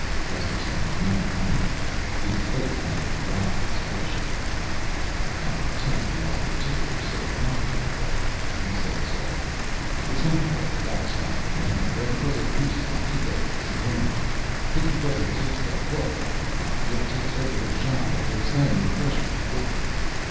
Gusterson did not comment. His face had a rapt expression. "I'll tell you why your tickler's so popular, Fay," he said softly. "It's not because it backstops the memory or because it boosts the ego with subliminals. It's because it takes the hook out of a guy, it takes over the job of withstanding the pressure of living.